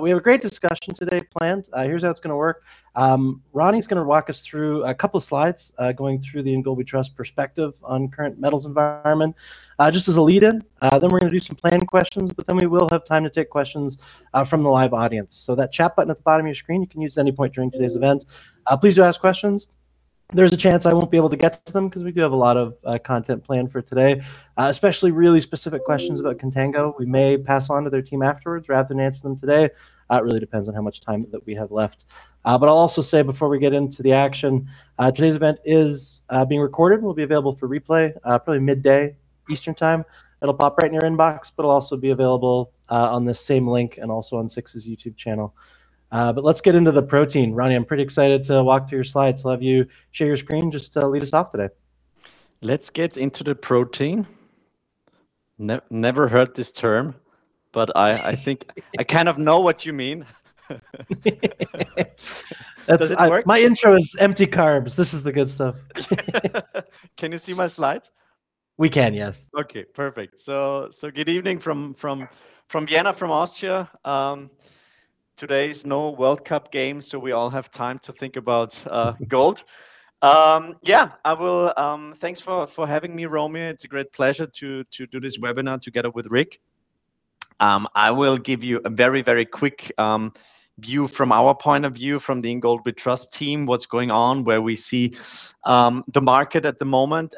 We have a great discussion today planned. Here's how it's going to work. Ronnie's going to walk us through a couple of slides, going through the In Gold We Trust perspective on the current metals environment, just as a lead-in. We're going to do some planned questions. We will have time to take questions from the live audience. That chat button at the bottom of your screen, you can use it at any point during today's event. Please do ask questions. There is a chance I won't be able to get to them because we do have a lot of content planned for today, especially really specific questions about Contango. We may pass on to their team afterwards rather than answer them today. It really depends on how much time that we have left. I'll also say before we get into the action, today's event is being recorded and will be available for replay, probably midday Eastern Time. It'll pop right in your inbox. It'll also be available on this same link and also on SIX's YouTube channel. Let's get into the protein. Ronnie, I'm pretty excited to walk through your slides. I'll have you share your screen. Just lead us off today. Let's get into the protein. Never heard this term. I think I kind of know what you mean. Does it work? My intro is empty carbs. This is the good stuff. Can you see my slides? We can, yes. Good evening from Vienna, from Austria. Today's no World Cup games, so we all have time to think about gold. Thanks for having me, Romeo. It's a great pleasure to do this webinar together with Rick. I will give you a very quick view from our point of view, from the In Gold We Trust team, what's going on, where we see the market at the moment.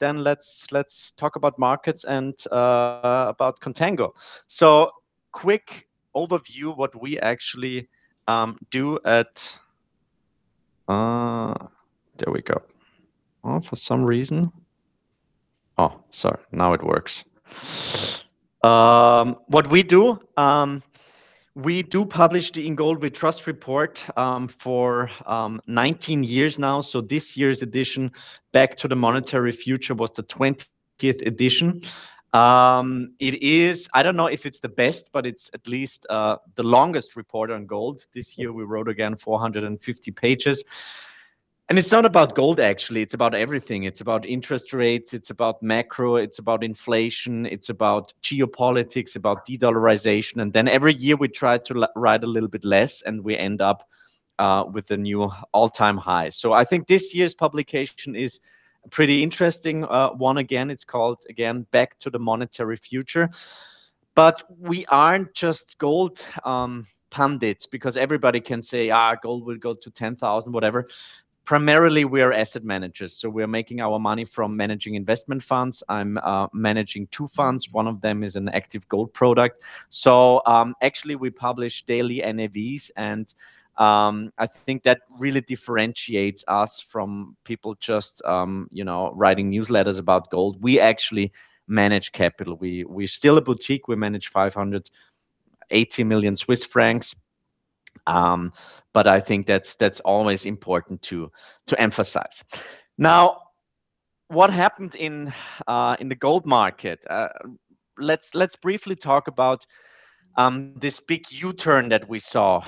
Let's talk about markets and about Contango. Quick overview of what we actually do. Now it works. What we do, we publish the In Gold We Trust report for 19 years now. This year's edition, "Back to the Monetary Future," was the 20th edition. I don't know if it's the best, but it's at least the longest report on gold. This year, we wrote again 450 pages. It's not about gold, actually. It's about everything. It's about interest rates. It's about macro. It's about inflation. It's about geopolitics, about de-dollarization. Every year, we try to write a little bit less, and we end up with a new all-time high. I think this year's publication is a pretty interesting one. Again, it's called, "Back to the Monetary Future." We aren't just gold pundits because everybody can say, "Ah, gold will go to 10,000," whatever. Primarily, we are asset managers. We are making our money from managing investment funds. I'm managing two funds. One of them is an active gold product. Actually, we publish daily NAVs, and I think that really differentiates us from people just writing newsletters about gold. We actually manage capital. We're still a boutique. We manage 580 million Swiss francs. I think that's always important to emphasize. What happened in the gold market? Let's briefly talk about this big U-turn that we saw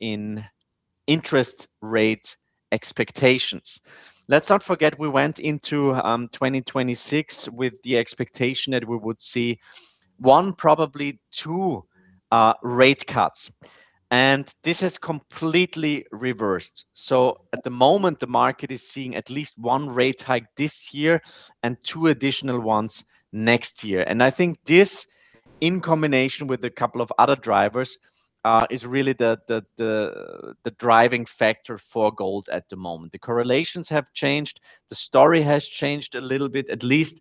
in interest rate expectations. Let's not forget we went into 2026 with the expectation that we would see one, probably two rate cuts, and this has completely reversed. At the moment, the market is seeing at least one rate hike this year and two additional ones next year. I think this, in combination with a couple of other drivers, is really the driving factor for gold at the moment. The correlations have changed. The story has changed a little bit, at least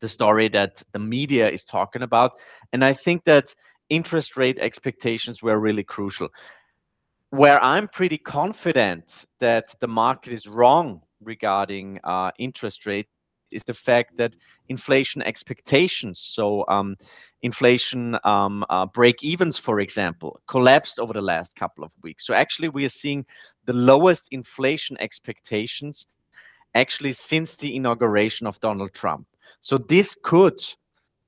the story that the media is talking about. I think that interest rate expectations were really crucial. Where I'm pretty confident that the market is wrong regarding interest rate is the fact that inflation expectations, so inflation break-evens, for example, collapsed over the last couple of weeks. Actually, we are seeing the lowest inflation expectations actually since the inauguration of Donald Trump. This could,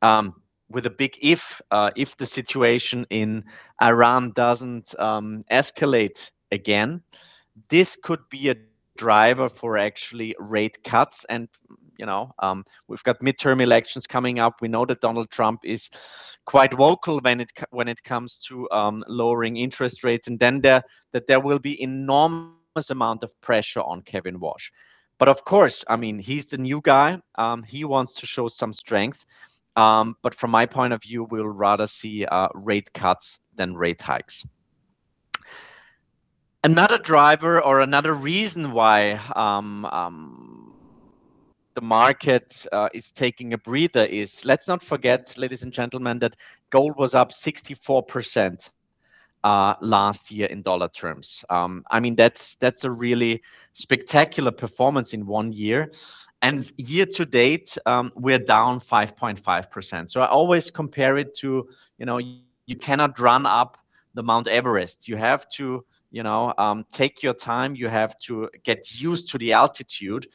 with a big if, the situation in Iran doesn't escalate again, this could be a driver for actually rate cuts, and we've got midterm elections coming up. We know that Donald Trump is quite vocal when it comes to lowering interest rates, and then that there will be enormous amount of pressure on Kevin Warsh. Of course, he's the new guy. He wants to show some strength. From my point of view, we'll rather see rate cuts than rate hikes. Another driver or another reason why the market is taking a breather is let's not forget, ladies and gentlemen, that gold was up 64% last year in dollar terms. That's a really spectacular performance in one year, and year to date, we're down 5.5%. I always compare it to you cannot run up the Mount Everest. You have to take your time, you have to get used to the altitude,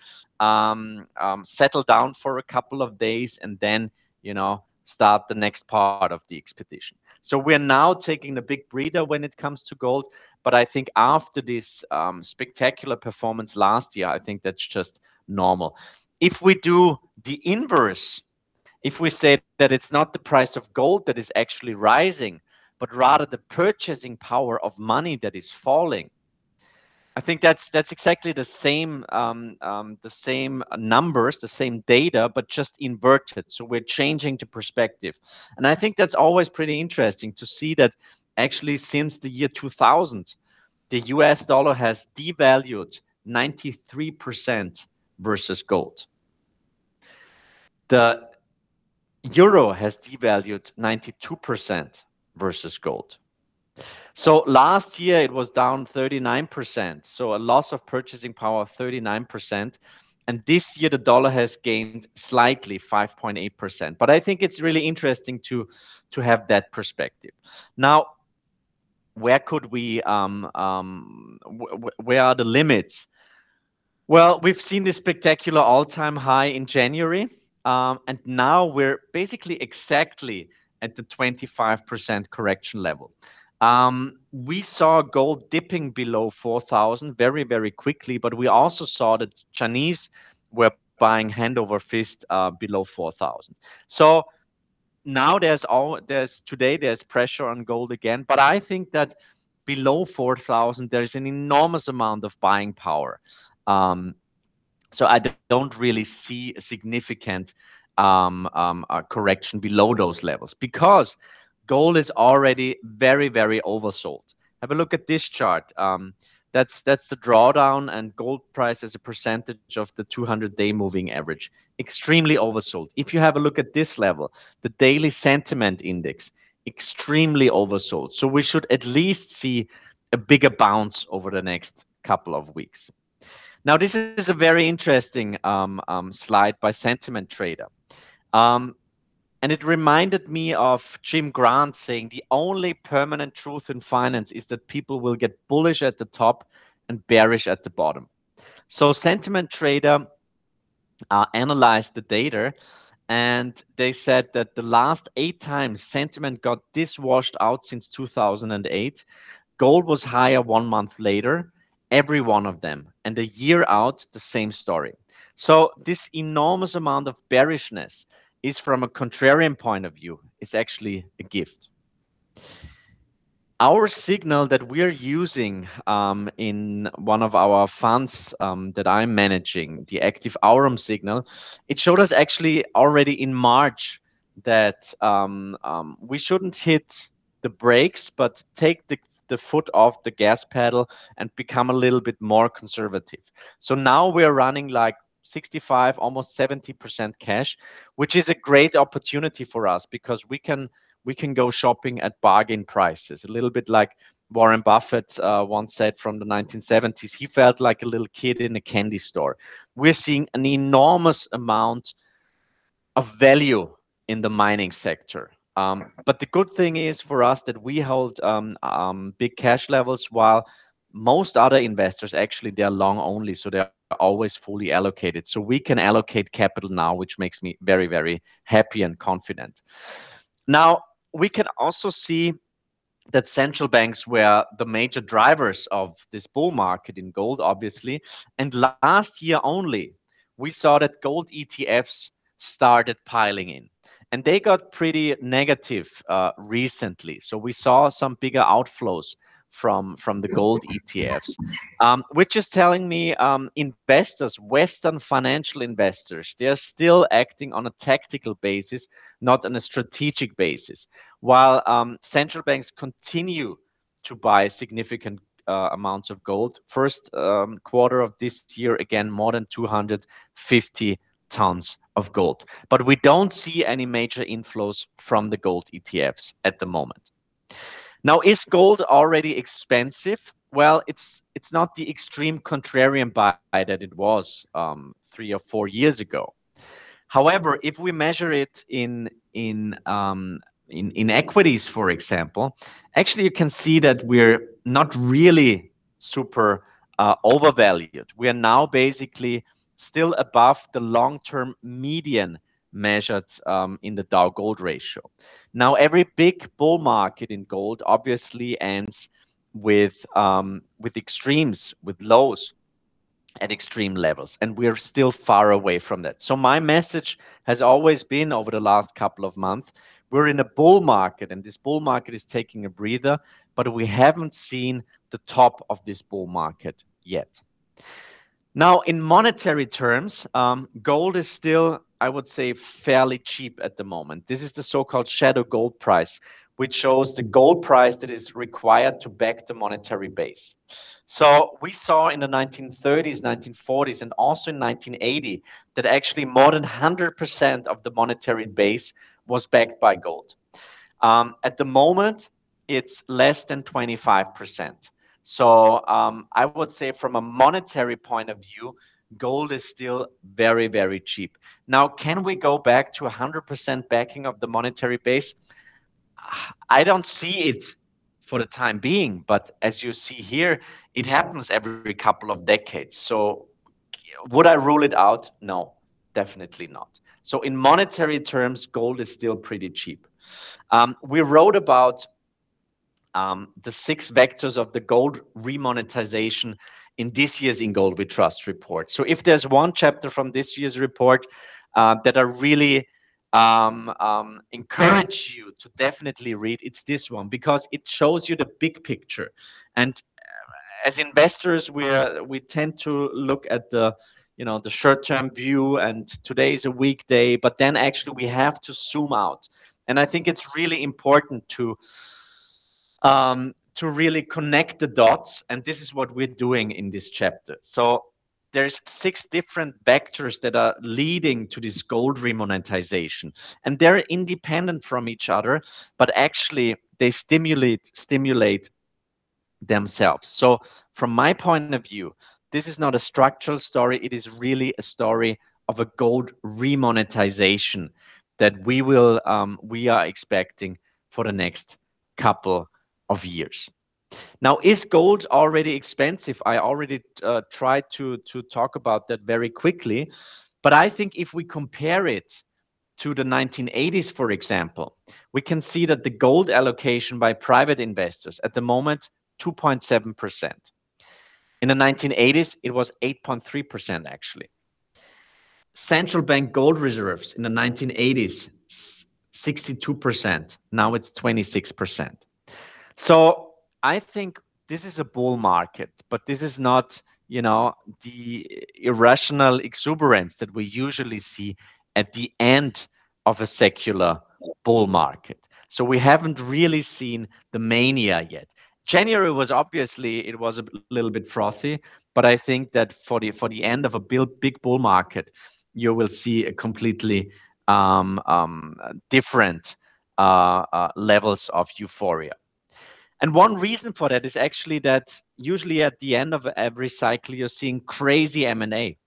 settle down for a couple of days, and then start the next part of the expedition. We're now taking a big breather when it comes to gold, but I think after this spectacular performance last year, I think that's just normal. If we do the inverse, if we said that it's not the price of gold that is actually rising, but rather the purchasing power of money that is falling. I think that's exactly the same numbers, the same data, but just inverted. We're changing the perspective. I think that's always pretty interesting to see that actually since the year 2000, the U.S. dollar has devalued 93% versus gold. The euro has devalued 92% versus gold. Last year it was down 39%, so a loss of purchasing power of 39%, and this year the dollar has gained slightly, 5.8%. I think it's really interesting to have that perspective. Where are the limits? We've seen this spectacular all-time high in January, and now we're basically exactly at the 25% correction level. We saw gold dipping below $4,000 very quickly, we also saw the Chinese were buying hand over fist below $4,000. Today, there's pressure on gold again, I think that below $4,000 there is an enormous amount of buying power. I don't really see a significant correction below those levels because gold is already very oversold. Have a look at this chart. That's the drawdown and gold price as a percentage of the 200-day moving average. Extremely oversold. If you have a look at this level, the daily sentiment index, extremely oversold. We should at least see a bigger bounce over the next couple of weeks. This is a very interesting slide by SentimenTrader. It reminded me of Jim Grant saying, "The only permanent truth in finance is that people will get bullish at the top and bearish at the bottom." SentimenTrader analyzed the data, they said that the last eight times sentiment got this washed out since 2008, gold was higher one month later, every one of them. A year out, the same story. This enormous amount of bearishness is from a contrarian point of view, is actually a gift. Our signal that we're using in one of our funds that I'm managing, the Incrementum Active Aurum Signal, it showed us actually already in March that we shouldn't hit the brakes, but take the foot off the gas pedal and become a little bit more conservative. We're running 65%, almost 70% cash, which is a great opportunity for us because we can go shopping at bargain prices. A little bit like Warren Buffett once said from the 1970s, he felt like a little kid in a candy store. We're seeing an enormous amount of value in the mining sector. The good thing is for us that we hold big cash levels while most other investors, actually, they're long only, they're always fully allocated. We can allocate capital now, which makes me very happy and confident. We can also see that central banks were the major drivers of this bull market in gold, obviously. Last year only, we saw that gold ETFs started piling in, and they got pretty negative recently. We saw some bigger outflows from the gold ETFs, which is telling me investors, Western financial investors, they're still acting on a tactical basis, not on a strategic basis, while central banks continue to buy significant amounts of gold. First quarter of this year, again, more than 250 tons of gold. We don't see any major inflows from the gold ETFs at the moment. Is gold already expensive? Well, it's not the extreme contrarian buy that it was three or four years ago. However, if we measure it in equities, for example, actually you can see that we're not really super overvalued. We are now basically still above the long-term median measures in the Dow-gold ratio. Every big bull market in gold obviously ends with extremes, with lows at extreme levels, and we're still far away from that. My message has always been over the last couple of months, we're in a bull market, this bull market is taking a breather, we haven't seen the top of this bull market yet. In monetary terms, gold is still, I would say, fairly cheap at the moment. This is the so-called shadow gold price, which shows the gold price that is required to back the monetary base. We saw in the 1930s, 1940s, and also in 1980, that actually more than 100% of the monetary base was backed by gold. At the moment, it's less than 25%. I would say from a monetary point of view, gold is still very cheap. Can we go back to 100% backing of the monetary base? I don't see it for the time being, but as you see here, it happens every couple of decades. Would I rule it out? No, definitely not. In monetary terms, gold is still pretty cheap. We wrote about the six vectors of the gold re-monetization in this year's In Gold We Trust report. If there's one chapter from this year's report that I really encourage you to definitely read it's this one, because it shows you the big picture. As investors, we tend to look at the short-term view, today's a weekday, actually we have to zoom out. I think it's really important to really connect the dots, this is what we're doing in this chapter. There's six different vectors that are leading to this gold remonetization, they're independent from each other, actually they stimulate themselves. From my point of view, this is not a structural story. It is really a story of a gold remonetization that we are expecting for the next couple of years. Is gold already expensive? I already tried to talk about that very quickly, I think if we compare it to the 1980s, for example, we can see that the gold allocation by private investors at the moment, 2.7%. In the 1980s, it was 8.3%, actually. Central bank gold reserves in the 1980s, 62%. Now it's 26%. I think this is a bull market, this is not the irrational exuberance that we usually see at the end of a secular bull market. We haven't really seen the mania yet. January was obviously a little bit frothy, I think that for the end of a big bull market, you will see a completely different levels of euphoria. One reason for that is actually that usually at the end of every cycle, you're seeing crazy M&A.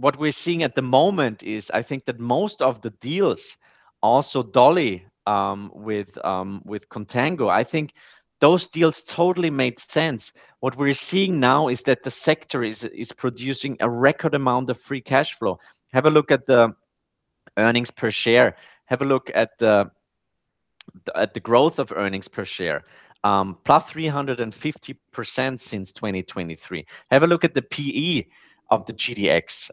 What we're seeing at the moment is I think that most of the deals also Dolly with Contango, I think those deals totally made sense. What we're seeing now is that the sector is producing a record amount of free cash flow. Have a look at the earnings per share. Have a look at the growth of earnings per share, +350% since 2023. Have a look at the PE of the GDX.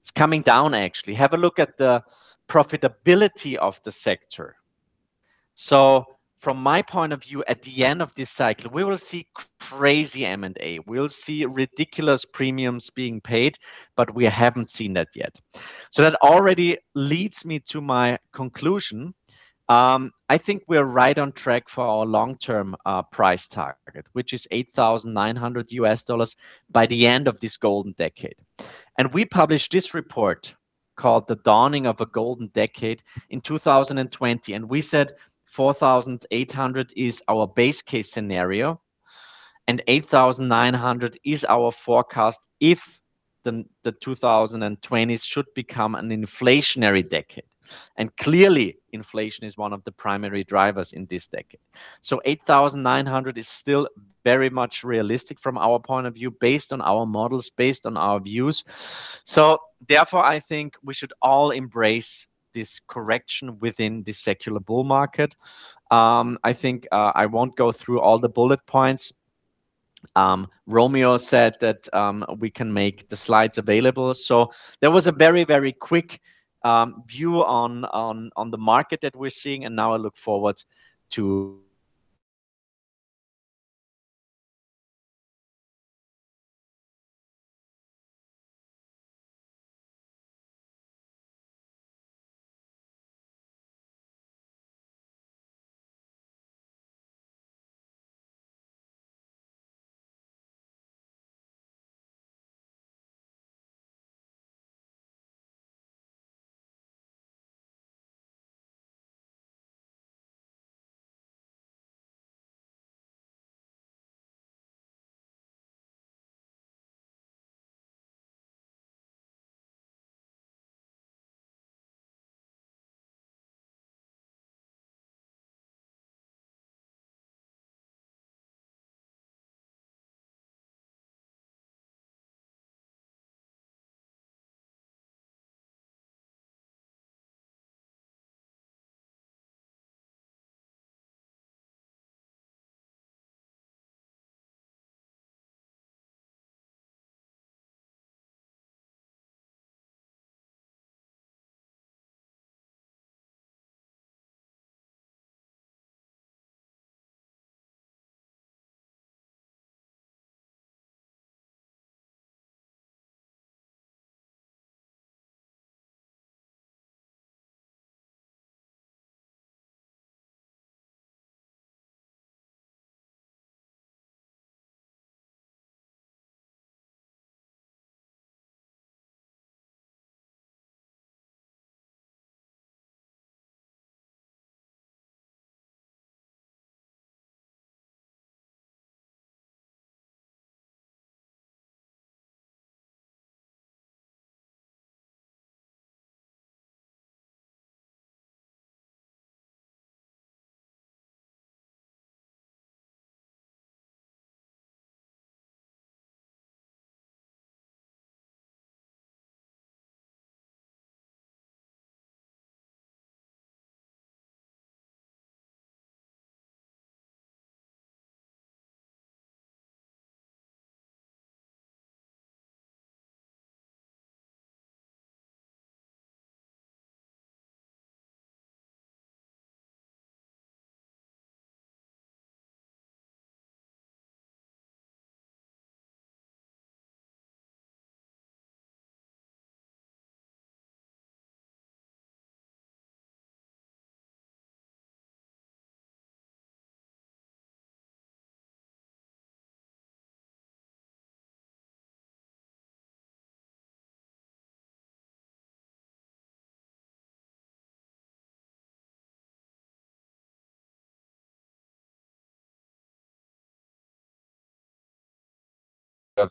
It's coming down, actually. Have a look at the profitability of the sector. From my point of view, at the end of this cycle, we will see crazy M&A. We'll see ridiculous premiums being paid, we haven't seen that yet. That already leads me to my conclusion. I think we're right on track for our long-term price target, which is $8,900 by the end of this golden decade. We published this report called "The Dawning of a Golden Decade" in 2020, and we said $4,800 is our base case scenario, and $8,900 is our forecast if the 2020s should become an inflationary decade. Clearly, inflation is one of the primary drivers in this decade. $8,900 is still very much realistic from our point of view, based on our models, based on our views. Therefore, I think we should all embrace this correction within the secular bull market. I think I won't go through all the bullet points. Romeo said that we can make the slides available. That was a very quick view on the market that we're seeing, and now I look forward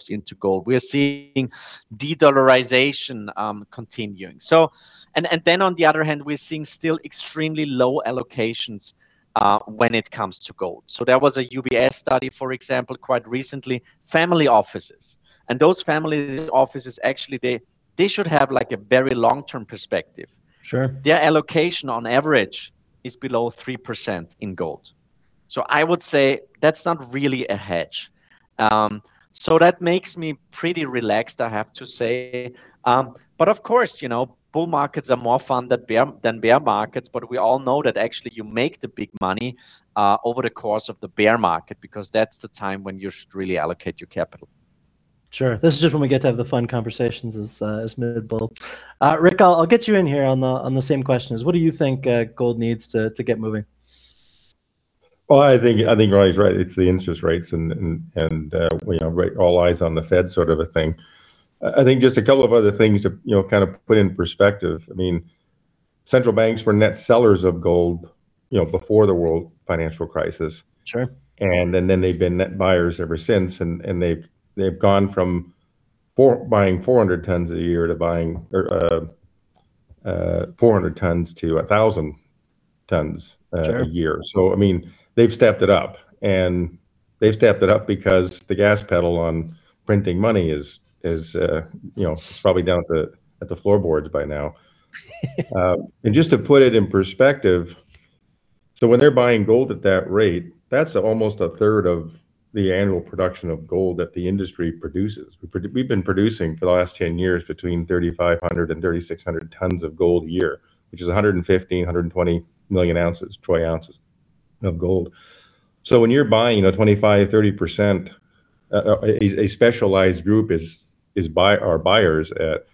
into gold. We're seeing de-dollarization continuing. On the other hand, we're seeing still extremely low allocations when it comes to gold. There was a UBS study, for example, quite recently. Family offices, those family offices, actually, they should have a very long-term perspective. Sure. Their allocation on average is below 3% in gold. I would say that's not really a hedge. That makes me pretty relaxed, I have to say. Of course, bull markets are more fun than bear markets, but we all know that actually you make the big money over the course of the bear market because that's the time when you should really allocate your capital. Sure. This is just when we get to have the fun conversations as gold bull. Rick, I'll get you in here on the same questions. What do you think gold needs to get moving? I think Ronnie's right. It's the interest rates and all eyes on the Fed sort of a thing. I think just a couple of other things to put it in perspective. Central banks were net sellers of gold before the world financial crisis. Sure. They've been net buyers ever since, and they've gone from buying 400 tons a year to buying 400 tons to 1,000 tons a year. Sure. They've stepped it up, and they've stepped it up because the gas pedal on printing money is probably down at the floorboards by now. To put it in perspective, when they're buying gold at that rate, that's almost a third of the annual production of gold that the industry produces. We've been producing for the last 10 years between 3,500 and 3,600 tons of gold a year, which is 115 million ounces, 120 million ounces, troy ounces of gold. When you're buying 25%, 30%, a specialized group are buyers, that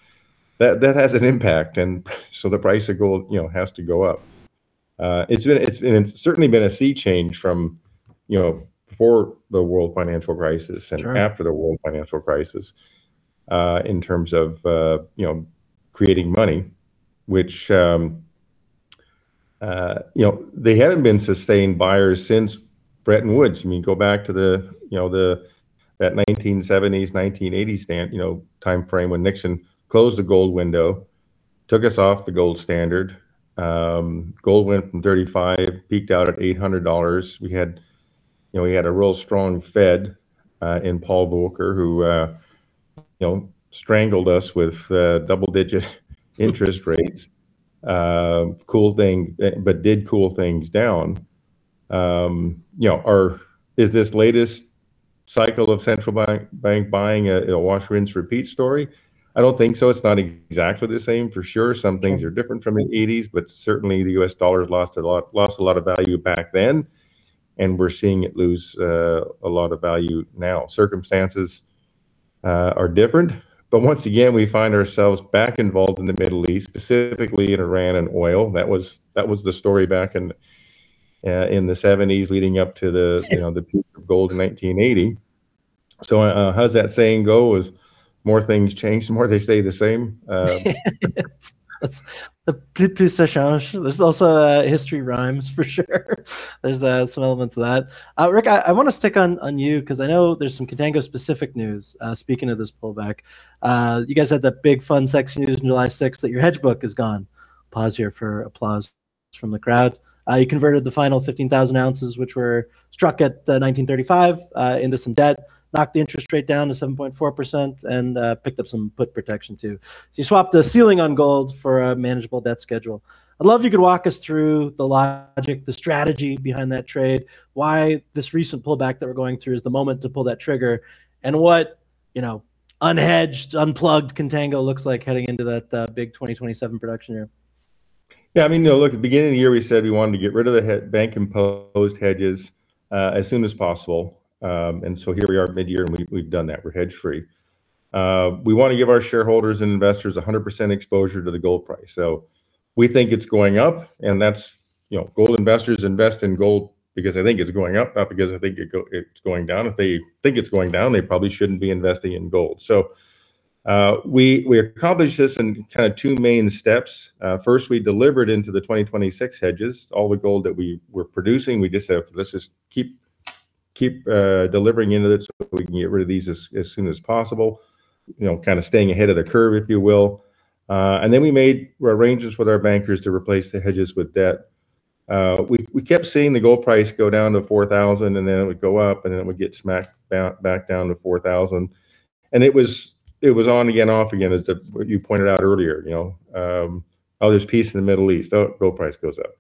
has an impact, the price of gold has to go up. It's certainly been a sea change from before the world financial crisis. Sure After the world financial crisis, in terms of creating money. They haven't been sustained buyers since Bretton Woods. Go back to that 1970s, 1980s timeframe when Nixon closed the gold window, took us off the gold standard. Gold went from $35, peaked out at $800. We had a real strong Fed in Paul Volcker, who strangled us with double-digit interest rates, but did cool things down. Is this latest cycle of central bank buying a wash, rinse, repeat story? I don't think so. It's not exactly the same, for sure. Some things are different from the 1980s, certainly the U.S. dollar's lost a lot of value back then, and we're seeing it lose a lot of value now. Circumstances are different, once again, we find ourselves back involved in the Middle East, specifically in Iran and oil. That was the story back in the 1970s leading up to the peak of gold in 1980. How does that saying go? The more things change, the more they stay the same? Yes. There's also history rhymes, for sure. There's some elements of that. Rick, I want to stick on you because I know there's some Contango-specific news, speaking of this pullback. You guys had that big fun, sexy news on July 6th that your hedge book is gone. Pause here for applause from the crowd. You converted the final 15,000 oz, which were struck at $1,935, into some debt, knocked the interest rate down to 7.4%, and picked up some put protection, too. You swapped a ceiling on gold for a manageable debt schedule. I'd love if you could walk us through the logic, the strategy behind that trade, why this recent pullback that we're going through is the moment to pull that trigger, and what unhedged, unplugged Contango looks like heading into that big 2027 production year. Yeah. Look, at the beginning of the year, we said we wanted to get rid of the bank-imposed hedges as soon as possible. Here we are mid-year, and we've done that. We're hedge-free. We want to give our shareholders and investors 100% exposure to the gold price. We think it's going up, and gold investors invest in gold because they think it's going up, not because they think it's going down. If they think it's going down, they probably shouldn't be investing in gold. We accomplished this in two main steps. First, we delivered into the 2026 hedges all the gold that we were producing. We just said, "Let's just keep delivering into this so we can get rid of these as soon as possible." Staying ahead of the curve, if you will. Then we made arrangements with our bankers to replace the hedges with debt. We kept seeing the gold price go down to $4,000, and then it would go up, and then it would get smacked back down to $4,000. It was on again, off again, as you pointed out earlier. Oh, there's peace in the Middle East. Oh, gold price goes up.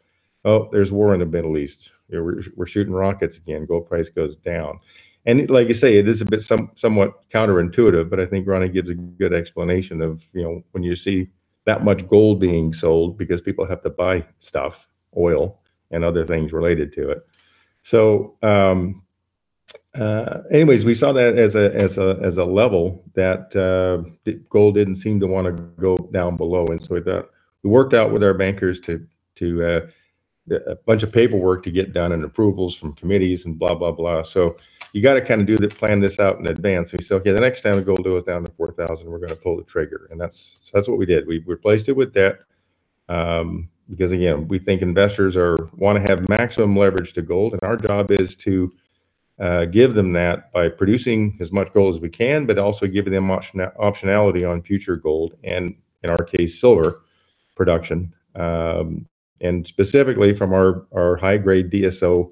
Oh, there's war in the Middle East. We're shooting rockets again. Gold price goes down. Like you say, it is a bit somewhat counterintuitive, but I think Ronnie gives a good explanation of when you see that much gold being sold because people have to buy stuff, oil and other things related to it. Anyways, we saw that as a level that gold didn't seem to want to go down below. We worked out with our bankers to a bunch of paperwork to get done and approvals from committees and blah, blah. You got to plan this out in advance. Okay, the next time the gold goes down to $4,000, we're going to pull the trigger. That's what we did. We replaced it with that. Again, we think investors want to have maximum leverage to gold, and our job is to give them that by producing as much gold as we can, but also giving them optionality on future gold, and in our case, silver production. Specifically from our high-grade DSO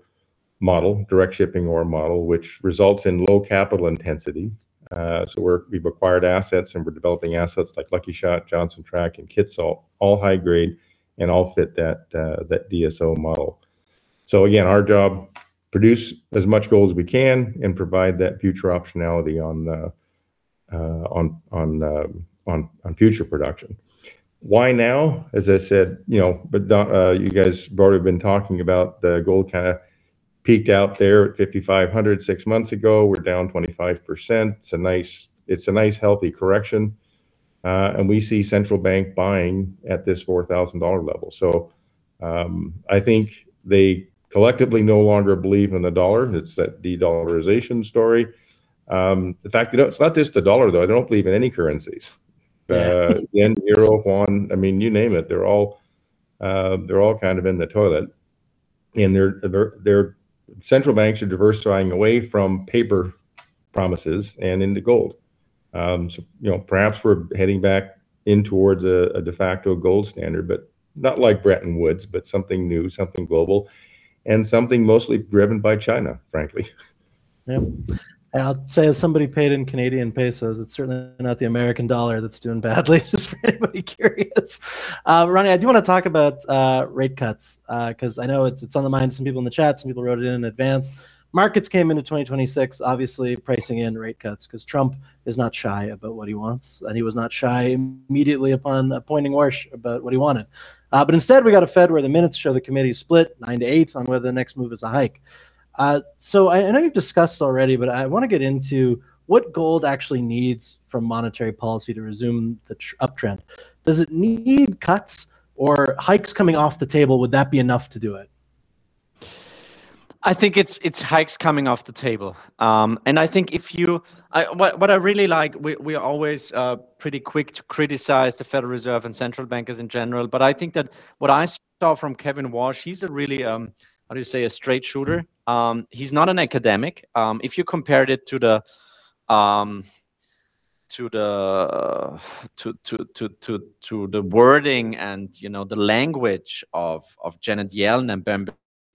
model, direct shipping ore model, which results in low capital intensity. We've acquired assets and we're developing assets like Lucky Shot, Johnson Tract, and Kitsault, all high grade and all fit that DSO model. Again, our job, produce as much gold as we can and provide that future optionality on future production. Why now? As I said, you guys have already been talking about the gold kind of peaked out there at $5,500 six months ago. We're down 25%. It's a nice healthy correction. We see Central Bank buying at this $4,000 level. I think they collectively no longer believe in the dollar. It's that de-dollarization story. In fact, it's not just the dollar, though. They don't believe in any currencies. Yeah. The yen, euro, won, I mean, you name it. They're all kind of in the toilet. Their central banks are diversifying away from paper promises and into gold. Perhaps we're heading back in towards a de facto gold standard, but not like Bretton Woods, but something new, something global, and something mostly driven by China, frankly. Yeah. I'll say as somebody paid in Canadian pesos, it's certainly not the American dollar that's doing badly, just for anybody curious. Ronnie, I do want to talk about rate cuts, because I know it's on the minds of some people in the chat. Some people wrote it in advance. Markets came into 2026 obviously pricing in rate cuts because Donald Trump is not shy about what he wants, and he was not shy immediately upon appointing Warsh about what he wanted. Instead we got a Fed where the minutes show the committee split nine to eight on whether the next move is a hike. I know you've discussed this already, but I want to get into what gold actually needs from monetary policy to resume the uptrend. Does it need cuts or hikes coming off the table? Would that be enough to do it? I think it's hikes coming off the table. What I really like, we are always pretty quick to criticize the Federal Reserve and central bankers in general. I think that what I saw from Kevin Warsh, he's a really, how do you say, a straight shooter. He's not an academic. If you compared it to the wording and the language of Janet Yellen and Ben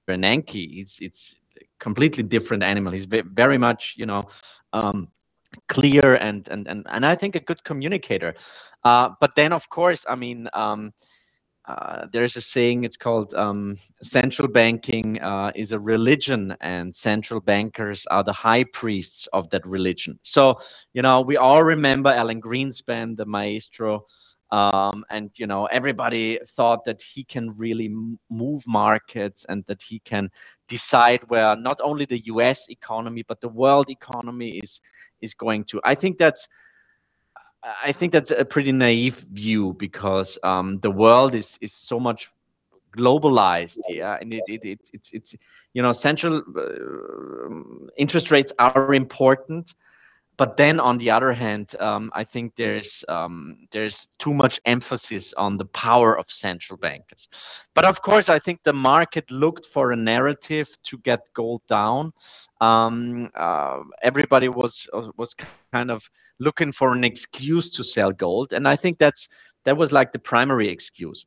Bernanke, it's a completely different animal. He's very much clear and I think a good communicator. Then, of course, there is a saying, it's called, "Central banking is a religion, and central bankers are the high priests of that religion." We all remember Alan Greenspan, the maestro, and everybody thought that he can really move markets and that he can decide where not only the U.S. economy, but the world economy is going to. I think that's a pretty naive view because the world is so much globalized. Yeah. Interest rates are important, then on the other hand, I think there's too much emphasis on the power of central bankers. Of course, I think the market looked for a narrative to get gold down. Everybody was kind of looking for an excuse to sell gold, and I think that was the primary excuse.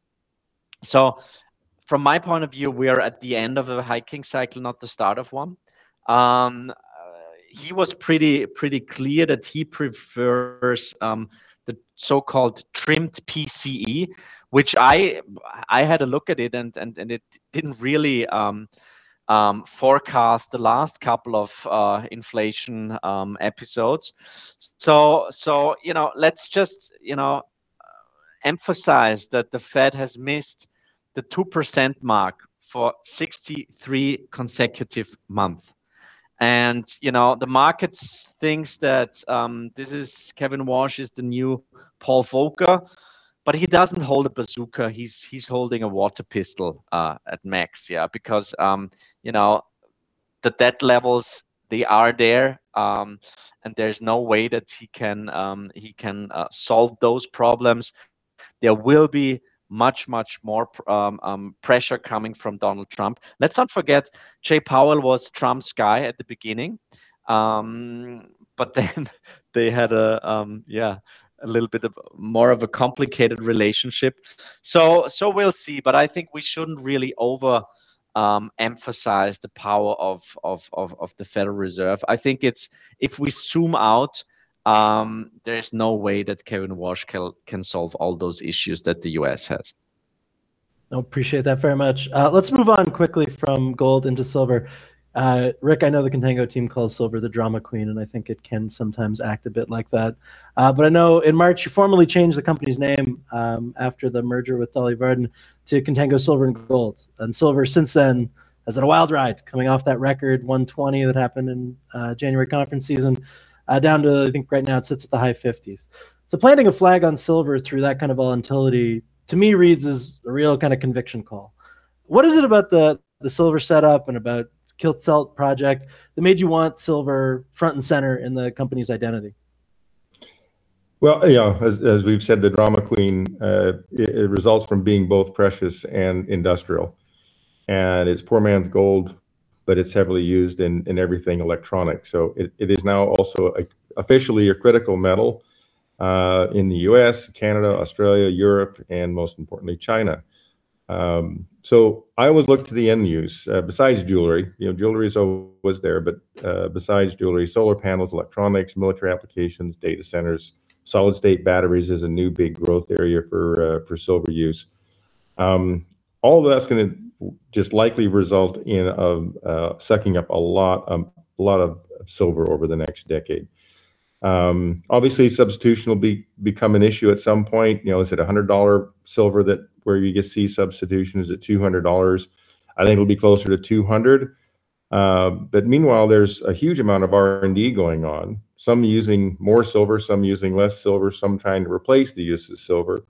From my point of view, we are at the end of a hiking cycle, not the start of one. He was pretty clear that he prefers the so-called trimmed PCE, which I had a look at it and it didn't really forecast the last couple of inflation episodes. Let's just emphasize that the Fed has missed the 2% mark for 63 consecutive months. The market thinks that Kevin Warsh is the new Paul Volcker, but he doesn't hold a bazooka. He's holding a water pistol at max. Yeah. Because the debt levels, they are there, and there's no way that he can solve those problems. There will be much, much more pressure coming from Donald Trump. Let's not forget, Jay Powell was Trump's guy at the beginning. Then they had a little bit more of a complicated relationship. We'll see, I think we shouldn't really over-emphasize the power of the Federal Reserve. I think if we zoom out, there is no way that Kevin Warsh can solve all those issues that the U.S. has. I appreciate that very much. Let's move on quickly from gold into silver. Rick, I know the Contango team calls silver the drama queen, and I think it can sometimes act a bit like that. I know in March you formally changed the company's name after the merger with Dolly Varden to Contango Silver & Gold. Silver since then has had a wild ride coming off that record $120 that happened in January conference season, down to, I think right now it sits at the high $50s. Planting a flag on silver through that kind of volatility, to me reads as a real conviction call. What is it about the silver setup and about Kitsault project that made you want silver front and center in the company's identity? Well, yeah, as we've said, the drama queen, it results from being both precious and industrial. It's poor man's gold, but it's heavily used in everything electronic. It is now also officially a critical metal, in the U.S., Canada, Australia, Europe, and most importantly China. I always look to the end use, besides jewelry. Jewelry was there, but besides jewelry, solar panels, electronics, military applications, data centers, solid state batteries is a new big growth area for silver use. All that's going to just likely result in sucking up a lot of silver over the next decade. Obviously, substitution will become an issue at some point. Is it $100 silver where you just see substitution? Is it $200? I think it'll be closer to $200. Meanwhile, there's a huge amount of R&D going on, some using more silver, some using less silver, some trying to replace the use of silver.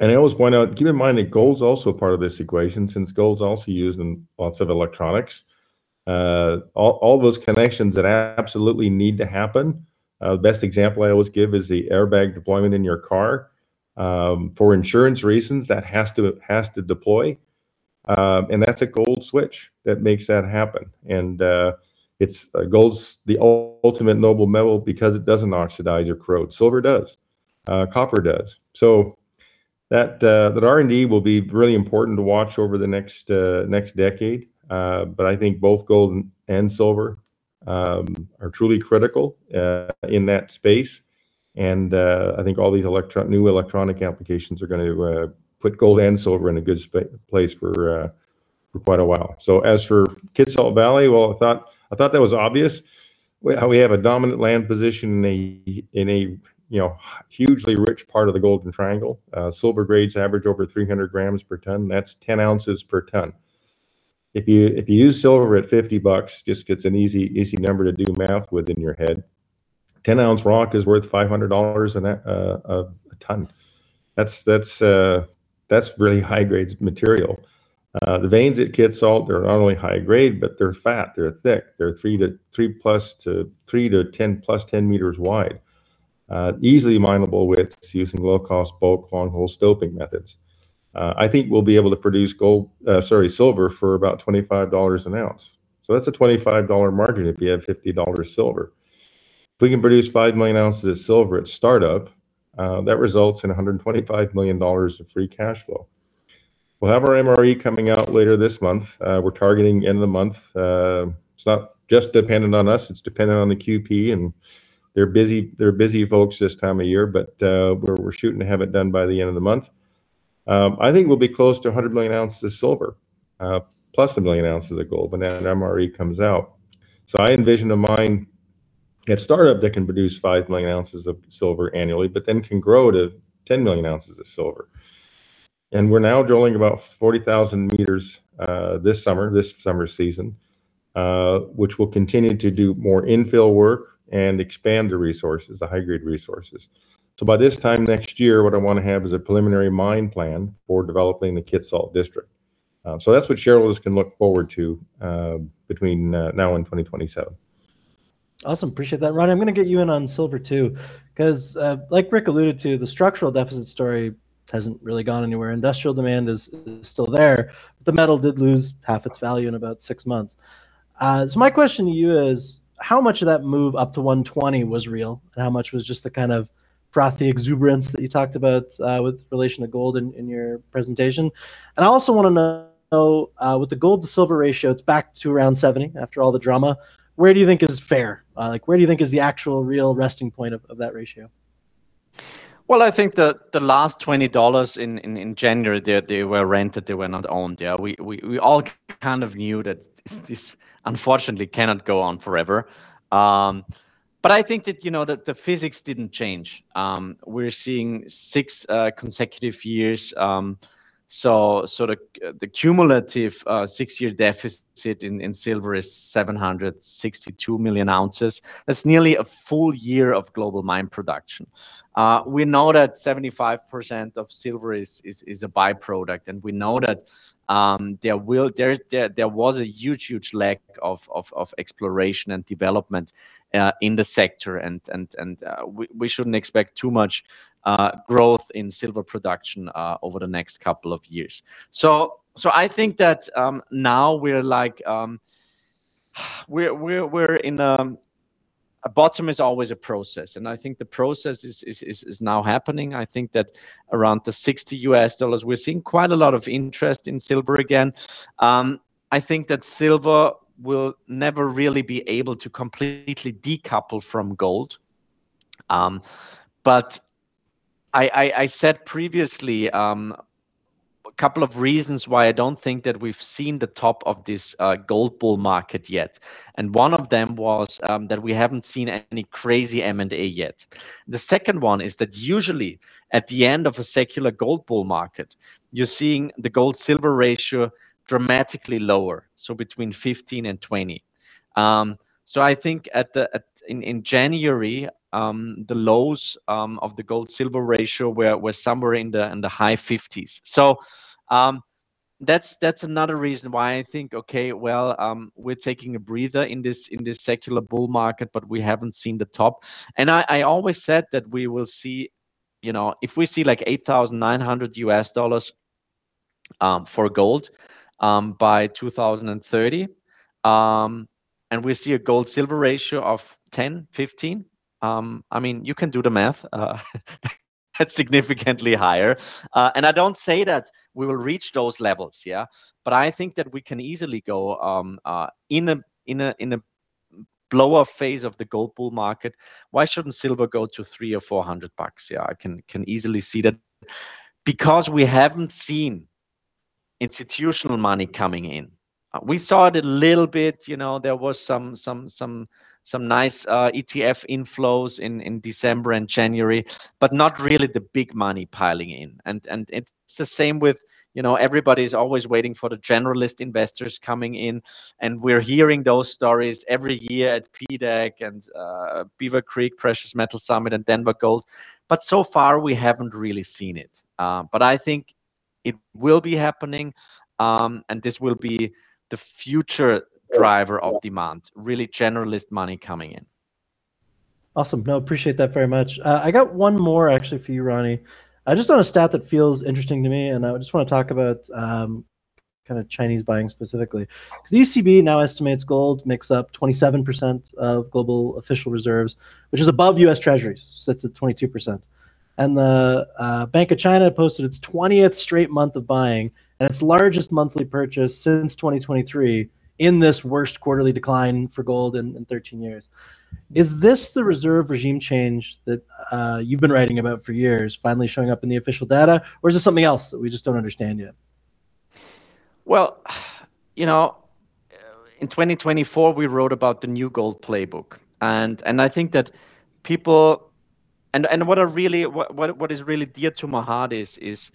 I always point out, keep in mind that gold's also part of this equation, since gold's also used in lots of electronics. All those connections that absolutely need to happen. Best example I always give is the airbag deployment in your car. For insurance reasons, that has to deploy, and that's a gold switch that makes that happen. Gold's the ultimate noble metal because it doesn't oxidize or corrode. Silver does. Copper does. That R&D will be really important to watch over the next decade. I think both gold and silver are truly critical in that space. I think all these new electronic applications are going to put gold and silver in a good place for quite a while. As for Kitsault Valley, well, I thought that was obvious, how we have a dominant land position in a hugely rich part of the Golden Triangle. Silver grades average over 300 g per ton. That's 10 oz per ton. If you use silver at $50, just gets an easy number to do math with in your head. 10-ounce rock is worth $500 a ton. That's really high-grade material. The veins at Kitsault, they're not only high grade, but they're fat, they're thick. They're 3 to 10 plus meters wide. Easily mineable widths using low-cost bulk long hole stoping methods. I think we'll be able to produce silver for about $25 an ounce. That's a $25 margin if you have $50 silver. If we can produce 5 million ounces of silver at startup, that results in $125 million of free cash flow. We'll have our MRE coming out later this month. We're targeting end of the month. It's not just dependent on us, it's dependent on the QP, and they're busy folks this time of year. We're shooting to have it done by the end of the month. I think we'll be close to 100 million ounces of silver, plus 1 million ounces of gold when that MRE comes out. I envision a mine at startup that can produce 5 million ounces of silver annually, but then can grow to 10 million ounces of silver. We're now drilling about 40,000 m this summer season, which we'll continue to do more infill work and expand the high-grade resources. By this time next year, what I want to have is a preliminary mine plan for developing the Kitsault district. That's what shareholders can look forward to between now and 2027. Awesome. Appreciate that. Ronnie, I'm going to get you in on silver too, because, like Rick alluded to, the structural deficit story hasn't really gone anywhere. Industrial demand is still there. The metal did lose half its value in about six months. My question to you is, how much of that move up to 120 was real, and how much was just the kind of frothy exuberance that you talked about with relation to gold in your presentation? I also want to know with the gold-silver ratio, it's back to around 70 after all the drama. Where do you think is fair? Where do you think is the actual real resting point of that ratio? Well, I think that the last $20 in January, they were rented, they were not owned, yeah? We all kind of knew that this unfortunately cannot go on forever. I think that the physics didn't change. We're seeing six consecutive years, so the cumulative six-year deficit in silver is 762 million ounces. That's nearly a full year of global mine production. We know that 75% of silver is a byproduct, and we know that there was a huge, huge lack of exploration and development in the sector, and we shouldn't expect too much growth in silver production over the next couple of years. I think that now a bottom is always a process, and I think the process is now happening. I think that around the $60, we're seeing quite a lot of interest in silver again. I think that silver will never really be able to completely decouple from gold. I said previously a couple of reasons why I don't think that we've seen the top of this gold bull market yet, and one of them was that we haven't seen any crazy M&A yet. The second one is that usually at the end of a secular gold bull market, you're seeing the gold-silver ratio dramatically lower, so between 15 and 20. I think in January, the lows of the gold-silver ratio were somewhere in the high 50s. That's another reason why I think, okay, well, we're taking a breather in this secular bull market, but we haven't seen the top. I always said that if we see $8,900 for gold by 2030, and we see a gold-silver ratio of 10, 15, you can do the math. That's significantly higher. I don't say that we will reach those levels, but I think that we can easily go in a blow-up phase of the gold bull market. Why shouldn't silver go to $300 or $400? I can easily see that. We haven't seen institutional money coming in. We saw it a little bit. There was some nice ETF inflows in December and January, but not really the big money piling in. It's the same with everybody's always waiting for the generalist investors coming in, and we're hearing those stories every year at PDAC and Beaver Creek Precious Metals Summit and Denver Gold. So far, we haven't really seen it. I think it will be happening, and this will be the future driver of demand, really generalist money coming in. Awesome. No, appreciate that very much. I got one more actually for you, Ronnie. I just saw a stat that feels interesting to me, and I just want to talk about Chinese buying specifically. The ECB now estimates gold makes up 27% of global official reserves, which is above U.S. Treasuries, sits at 22%. The Bank of China posted its 20th straight month of buying and its largest monthly purchase since 2023 in this worst quarterly decline for gold in 13 years. Is this the reserve regime change that you've been writing about for years finally showing up in the official data, or is this something else that we just don't understand yet? Well, in 2024, we wrote about the new gold playbook, and I think that what is really dear to my heart is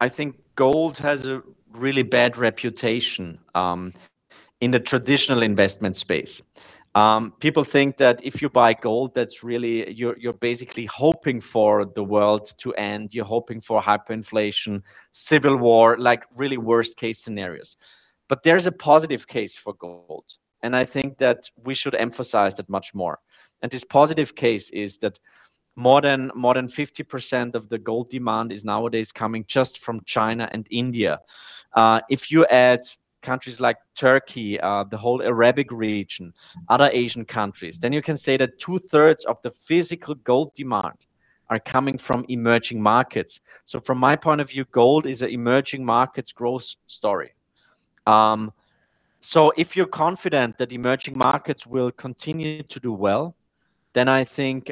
I think gold has a really bad reputation in the traditional investment space. People think that if you buy gold, you're basically hoping for the world to end. You're hoping for hyperinflation, civil war, like really worst-case scenarios. There's a positive case for gold, I think that we should emphasize that much more. This positive case is that more than 50% of the gold demand is nowadays coming just from China and India. If you add countries like Turkey, the whole Arabic region, other Asian countries, then you can say that two-thirds of the physical gold demand are coming from emerging markets. From my point of view, gold is an emerging markets growth story. If you're confident that emerging markets will continue to do well, I think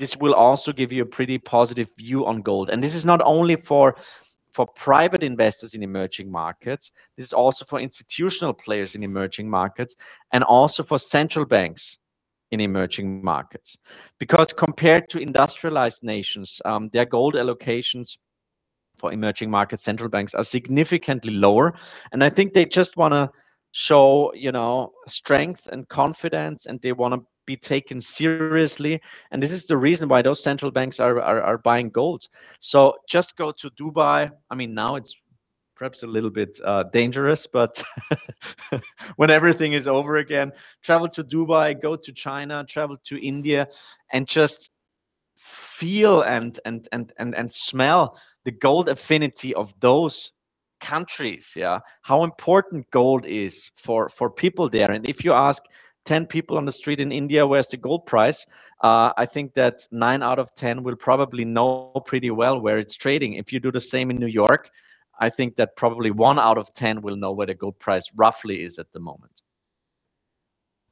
this will also give you a pretty positive view on gold. This is not only for private investors in emerging markets, this is also for institutional players in emerging markets and also for central banks in emerging markets. Compared to industrialized nations, their gold allocations for emerging market central banks are significantly lower, I think they just want to show strength and confidence, they want to be taken seriously, this is the reason why those central banks are buying gold. Just go to Dubai. Now it's perhaps a little bit dangerous, but when everything is over again, travel to Dubai, go to China, travel to India, and just feel and smell the gold affinity of those countries. How important gold is for people there. If you ask 10 people on the street in India where's the gold price, I think that nine out of 10 will probably know pretty well where it's trading. If you do the same in New York, I think that probably one out of 10 will know where the gold price roughly is at the moment.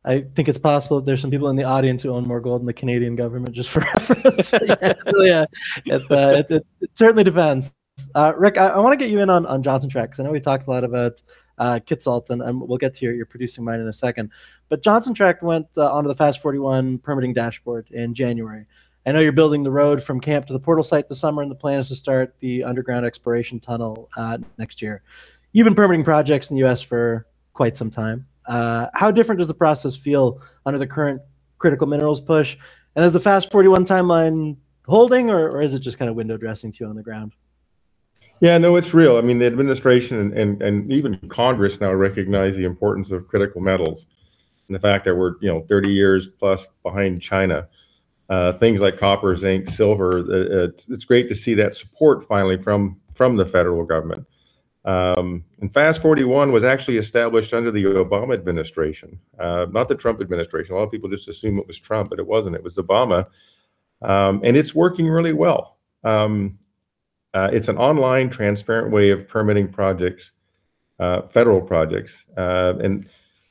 I think it's possible there's some people in the audience who own more gold than the Canadian government, just for reference. Yeah. It certainly depends. Rick, I want to get you in on Johnson Tract. I know we talked a lot about Kitsault, and we'll get to your producing mine in a second. Johnson Tract went onto the FAST-41 permitting dashboard in January. I know you're building the road from camp to the portal site this summer, and the plan is to start the underground exploration tunnel next year. You've been permitting projects in the U.S. for quite some time. How different does the process feel under the current critical minerals push, and is the FAST-41 timeline holding, or is it just window dressing to you on the ground? Yeah, no, it's real. The administration and even Congress now recognize the importance of critical metals and the fact that we're 30 years plus behind China. Things like copper, zinc, silver. It's great to see that support finally from the federal government. FAST-41 was actually established under the Obama administration, not the Trump administration. A lot of people just assume it was Trump, but it wasn't. It was Obama. It's working really well. It's an online, transparent way of permitting federal projects.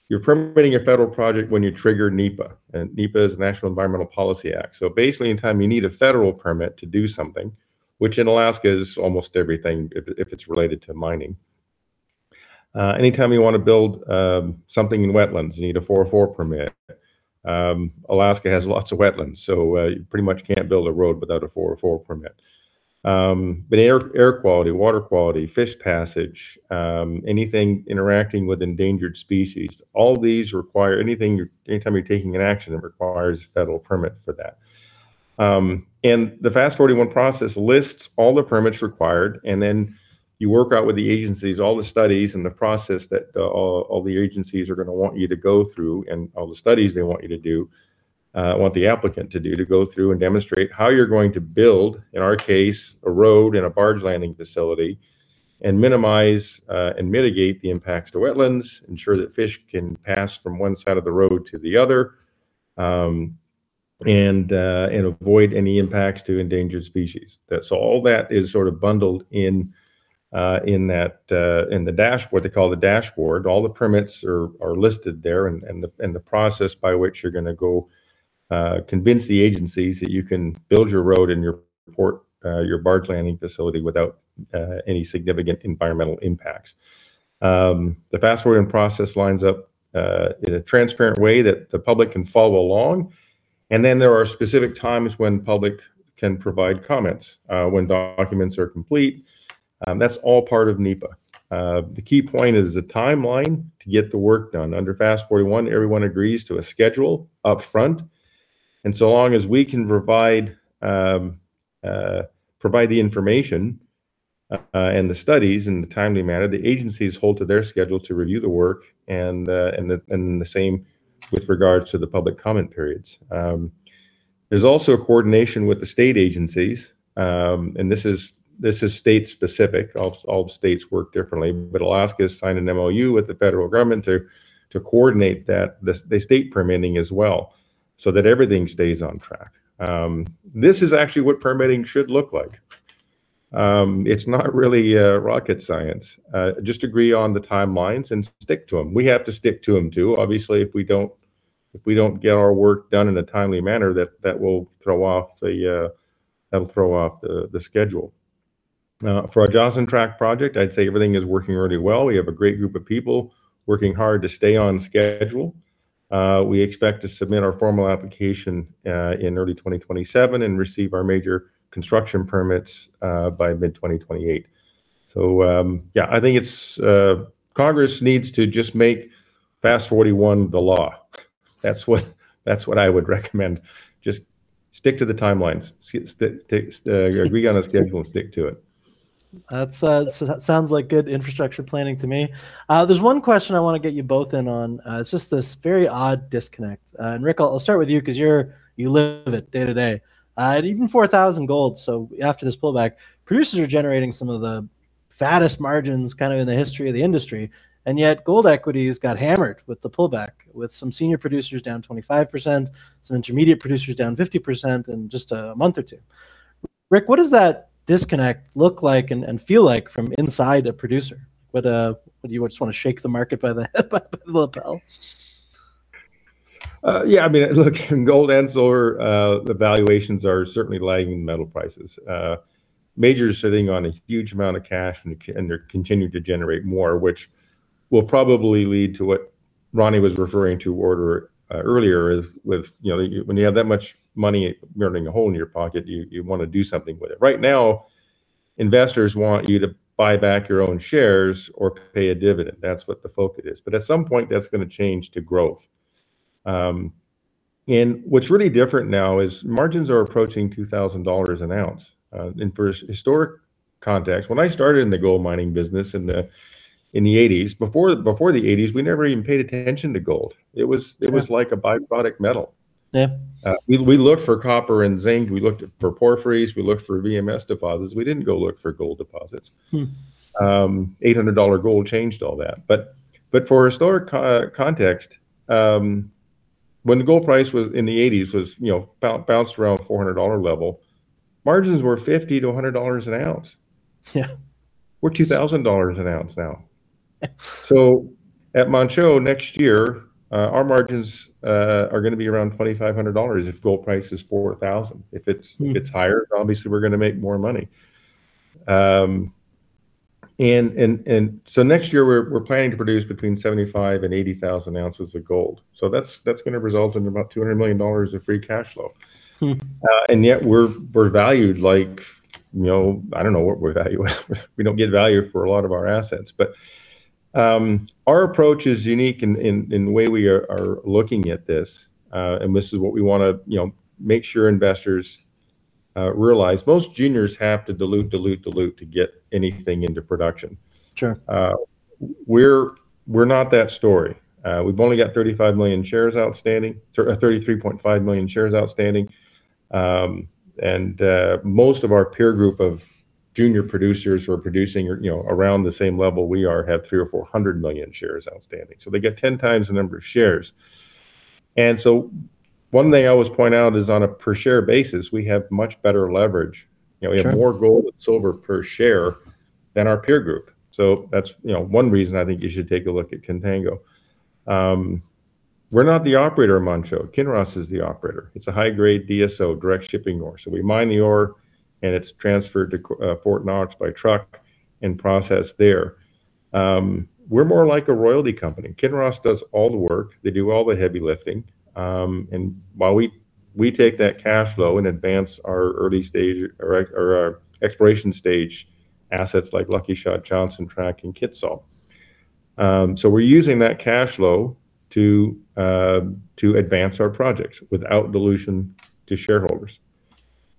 You're permitting a federal project when you trigger NEPA, and NEPA is the National Environmental Policy Act. So basically, anytime you need a federal permit to do something, which in Alaska is almost everything if it's related to mining. Anytime you want to build something in wetlands, you need a 404 permit. Alaska has lots of wetlands, you pretty much can't build a road without a 404 permit. Air quality, water quality, fish passage, anything interacting with endangered species. Anything, anytime you're taking an action, it requires a federal permit for that. The FAST-41 process lists all the permits required, then you work out with the agencies all the studies and the process that all the agencies are going to want you to go through, and all the studies they want the applicant to do, to go through and demonstrate how you're going to build, in our case, a road and a barge landing facility, and minimize and mitigate the impacts to wetlands, ensure that fish can pass from one side of the road to the other, and avoid any impacts to endangered species. All that is sort of bundled in the dashboard. They call it the dashboard. All the permits are listed there, the process by which you're going to go convince the agencies that you can build your road and your barge landing facility without any significant environmental impacts. The FAST-41 process lines up in a transparent way that the public can follow along. There are specific times when public can provide comments, when documents are complete. That's all part of NEPA. The key point is the timeline to get the work done. Under FAST-41, everyone agrees to a schedule up front. So long as we can provide the information and the studies in a timely manner, the agencies hold to their schedule to review the work, and the same with regards to the public comment periods. There's also a coordination with the state agencies, this is state specific. All the states work differently. Alaska has signed an MOU with the federal government to coordinate the state permitting as well, everything stays on track. This is actually what permitting should look like. It's not really rocket science. Just agree on the timelines and stick to them. We have to stick to them, too. Obviously, if we don't get our work done in a timely manner, that will throw off the schedule. For our Johnson Tract project, I'd say everything is working really well. We have a great group of people working hard to stay on schedule. We expect to submit our formal application in early 2027 and receive our major construction permits by mid-2028. Congress needs to just make FAST-41 the law. That's what I would recommend. Just stick to the timelines. Agree on a schedule and stick to it. That sounds like good infrastructure planning to me. There's one question I want to get you both in on. It's just this very odd disconnect. Rick, I'll start with you because you live it day to day. Even $4,000 gold, after this pullback, producers are generating some of the fattest margins in the history of the industry. Yet gold equities got hammered with the pullback with some senior producers down 25%, some intermediate producers down 50% in just a month or two. Rick, what does that disconnect look like and feel like from inside a producer? Do you just want to shake the market by the lapel? Yeah, look, in gold and silver, the valuations are certainly lagging metal prices. Majors are sitting on a huge amount of cash, and they continue to generate more, which will probably lead to what Ronnie was referring to earlier is with when you have that much money burning a hole in your pocket, you want to do something with it. Right now, investors want you to buy back your own shares or pay a dividend. That's what the focus is. At some point, that's going to change to growth. What's really different now is margins are approaching $2,000 an ounce. For historic context, when I started in the gold mining business in the 1980s, before the 1980s, we never even paid attention to gold. Yeah. It was like a by-product metal. Yeah. We looked for copper and zinc, we looked for porphyries, we looked for VMS deposits. We didn't go look for gold deposits. $800 gold changed all that. For historic context, when the gold price in the 1980s bounced around $400 level, margins were $50-$100 an ounce. Yeah. We're $2,000 an ounce now. At Manh Choh next year, our margins are going to be around $2,500 if gold price is $4,000. If it's higher, obviously we're going to make more money. Next year, we're planning to produce between 75,000 oz and 80,000 oz of gold. That's going to result in about $200 million of free cash flow. We're valued like, I don't know what we're valued at. We don't get value for a lot of our assets, but our approach is unique in the way we are looking at this. This is what we want to make sure investors realize. Most juniors have to dilute to get anything into production. Sure. We're not that story. We've only got 33.5 million shares outstanding. Most of our peer group of junior producers who are producing around the same level we are, have 300 million or 400 million shares outstanding. They get 10 times the number of shares. One thing I always point out is on a per share basis, we have much better leverage. Sure. We have more gold and silver per share than our peer group. That's one reason I think you should take a look at Contango. We're not the operator of Manh Choh, Kinross is the operator. It's a high-grade DSO, direct shipping ore. We mine the ore, and it's transferred to Fort Knox by truck and processed there. We're more like a royalty company. Kinross does all the work. They do all the heavy lifting. While we take that cash flow and advance our early-stage or our exploration-stage assets like Lucky Shot, Johnson Tract, and Kitsault. We're using that cash flow to advance our projects without dilution to shareholders.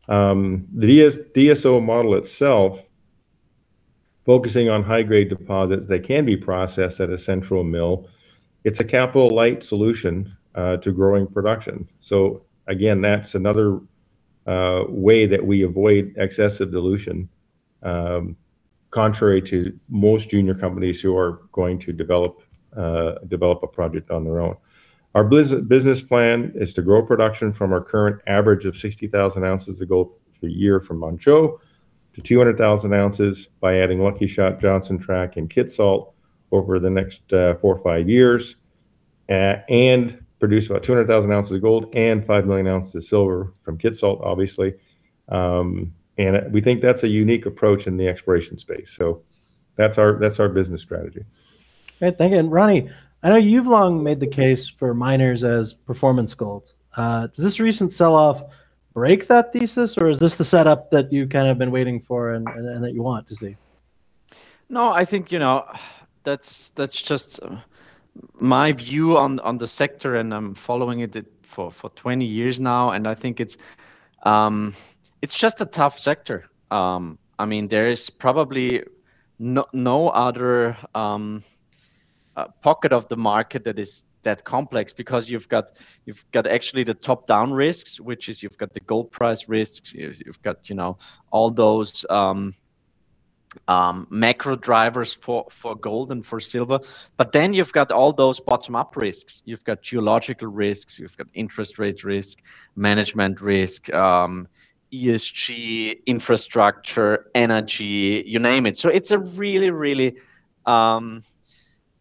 The DSO model itself, focusing on high-grade deposits that can be processed at a central mill, it's a capital light solution to growing production. Again, that's another way that we avoid excessive dilution, contrary to most junior companies who are going to develop a project on their own. Our business plan is to grow production from our current average of 60,000 oz of gold for the year from Manh Choh to 200,000 oz by adding Lucky Shot, Johnson Tract, and Kitsault over the next four or five years, and produce about 200,000 oz of gold and 5 million ounces of silver from Kitsault, obviously. We think that's a unique approach in the exploration space. That's our business strategy. Great. Thank you. Ronnie, I know you've long made the case for miners as performance gold. Does this recent sell-off break that thesis, or is this the setup that you've kind of been waiting for and that you want to see? I think that's just my view on the sector, I'm following it for 20 years now, I think it's just a tough sector. There is probably no other pocket of the market that is that complex because you've got actually the top-down risks, which is you've got the gold price risks. You've got all those macro drivers for gold and for silver. You've got all those bottom-up risks. You've got geological risks, you've got interest rate risk, management risk, ESG, infrastructure, energy, you name it. It's a really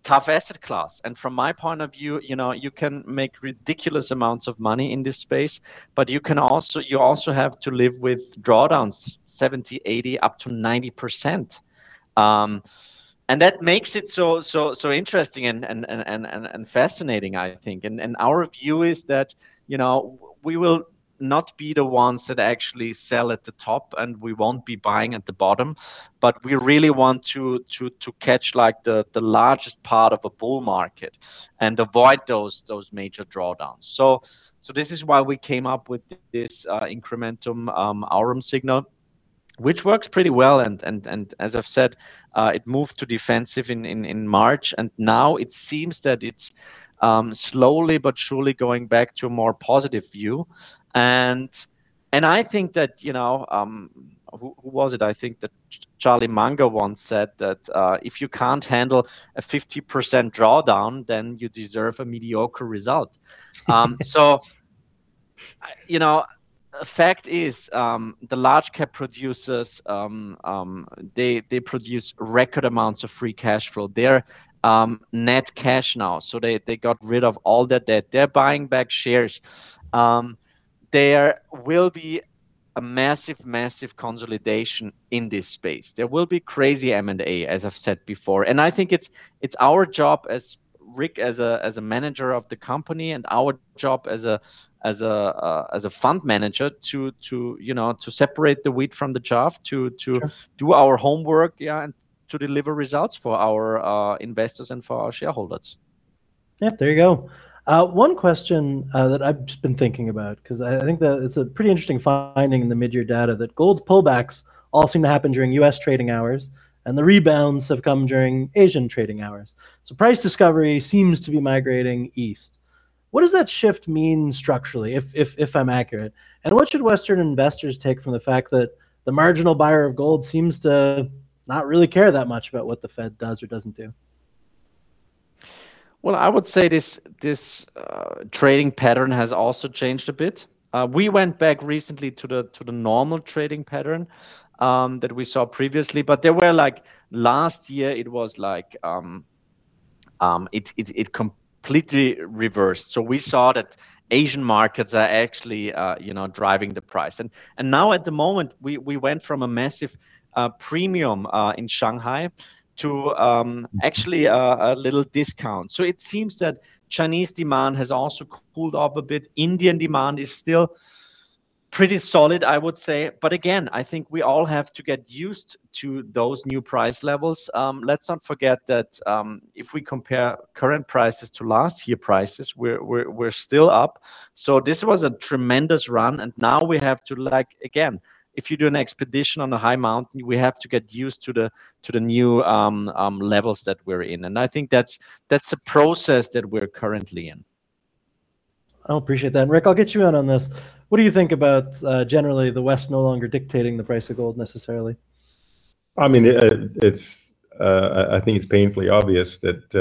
tough asset class. From my point of view, you can make ridiculous amounts of money in this space, but you also have to live with drawdowns 70%, 80%, up to 90%. That makes it so interesting and fascinating, I think. Our view is that we will not be the ones that actually sell at the top, we won't be buying at the bottom, but we really want to catch the largest part of a bull market and avoid those major drawdowns. This is why we came up with this Incrementum Aurum signal, which works pretty well. As I've said, it moved to defensive in March, now it seems that it's slowly but surely going back to a more positive view. I think that, who was it? I think that Charlie Munger once said that, "If you can't handle a 50% drawdown, then you deserve a mediocre result." Fact is, the large cap producers they produce record amounts of free cash flow. They're net cash now. They got rid of all their debt. They're buying back shares. There will be a massive consolidation in this space. There will be crazy M&A, as I've said before. I think it's our job as Rick, as a manager of the company and our job as a fund manager to separate the wheat from the chaff. Sure do our homework. Yeah. To deliver results for our investors and for our shareholders. Yeah. There you go. One question that I've just been thinking about, because I think that it's a pretty interesting finding in the mid-year data that gold's pullbacks all seem to happen during U.S. trading hours, and the rebounds have come during Asian trading hours. Price discovery seems to be migrating east. What does that shift mean structurally if I'm accurate? What should Western investors take from the fact that the marginal buyer of gold seems to not really care that much about what the Fed does or doesn't do? Well, I would say this trading pattern has also changed a bit. We went back recently to the normal trading pattern that we saw previously, but there were like, last year it completely reversed. We saw that Asian markets are actually driving the price. Now at the moment, we went from a massive premium in Shanghai to actually a little discount. It seems that Chinese demand has also cooled off a bit. Indian demand is still pretty solid, I would say. Again, I think we all have to get used to those new price levels. Let's not forget that if we compare current prices to last year prices, we're still up. This was a tremendous run, and now we have to, again, if you do an expedition on a high mountain, we have to get used to the new levels that we're in. I think that's a process that we're currently in. I appreciate that. Rick, I'll get you in on this. What do you think about, generally, the West no longer dictating the price of gold necessarily? I think it's painfully obvious that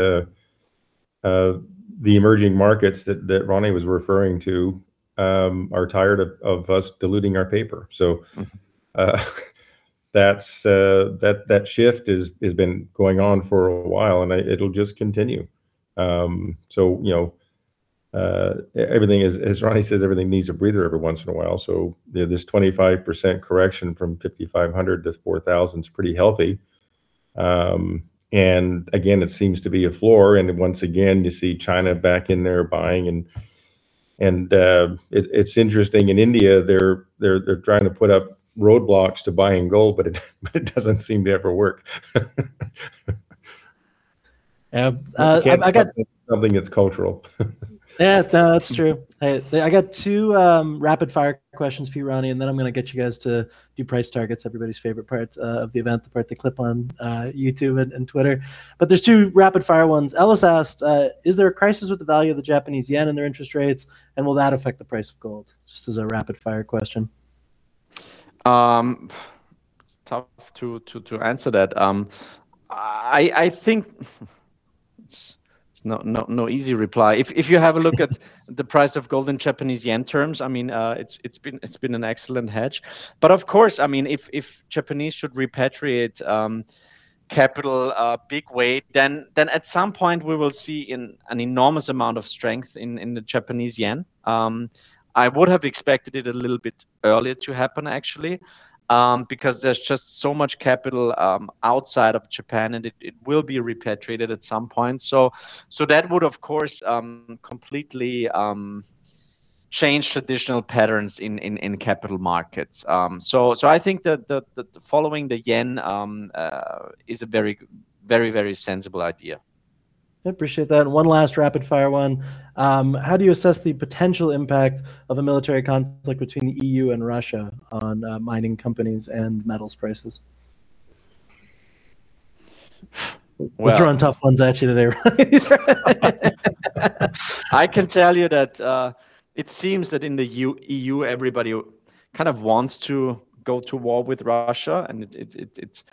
the emerging markets that Ronnie was referring to are tired of us diluting our paper. That shift has been going on for a while, and it'll just continue. As Ronnie says, everything needs a breather every once in a while. This 25% correction from $5,500-$4,000 is pretty healthy. Again, it seems to be a floor, and once again, you see China back in there buying. It's interesting, in India, they're trying to put up roadblocks to buying gold, but it doesn't seem to ever work. I got- I think it's cultural. Yeah. No, that's true. I got two rapid-fire questions for you, Ronnie, and then I'm going to get you guys to do price targets, everybody's favorite part of the event, the part they clip on YouTube and Twitter. There's two rapid-fire ones. Ellis asked, "Is there a crisis with the value of the Japanese yen and their interest rates, and will that affect the price of gold?" Just as a rapid-fire question. It's tough to answer that. I think it's no easy reply. If you have a look at the price of gold in Japanese yen terms, it's been an excellent hedge. Of course, if Japanese should repatriate capital a big way, at some point we will see an enormous amount of strength in the Japanese yen. I would have expected it a little bit earlier to happen, actually, because there's just so much capital outside of Japan, and it will be repatriated at some point. That would, of course, completely change traditional patterns in capital markets. I think that following the yen is a very sensible idea. I appreciate that. One last rapid-fire one. How do you assess the potential impact of a military conflict between the EU and Russia on mining companies and metals prices? Well- We're throwing tough ones at you today, Ronnie. I can tell you that it seems that in the EU, everybody wants to go to war with Russia. It